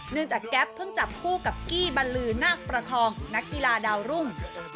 จากแก๊ปเพิ่งจับคู่กับกี้บรรลือนาคประคองนักกีฬาดาวรุ่ง